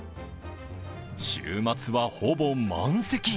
週末は、ほぼ満席。